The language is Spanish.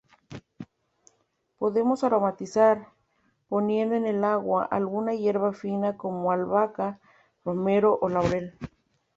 Podemos aromatizar, poniendo en el agua alguna hierba fina como albahaca, romero o laurel.